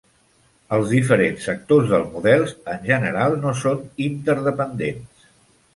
Els diferents actors del model, en general, no són interdependents.